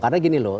karena gini loh